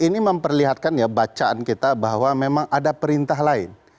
ini memperlihatkan ya bacaan kita bahwa memang ada perintah lain